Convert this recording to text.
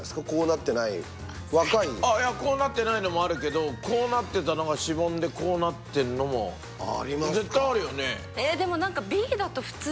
こうなってないのもあるけどこうなってたのがしぼんでこうなってんのも絶対あるよね？